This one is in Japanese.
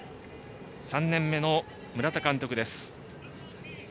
３年目の村田監督です。